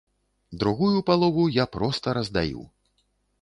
Другую палову я проста раздаю.